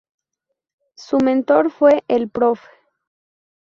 Su mentor fue el Prof.